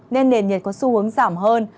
nên nền nhiệt có xu hướng giảm hơn